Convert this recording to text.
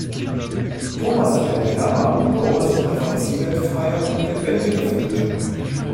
Thomas erklärt Hermann, warum er sich in der Phantasiewelt freier und lebendiger fühlt.